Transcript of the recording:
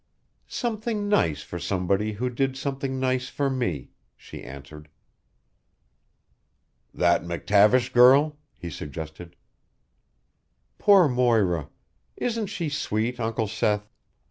"Something nice for somebody who did something nice for me," she answered. "That McTavish girl?" he suggested. "Poor Moira! Isn't she sweet, Uncle Seth?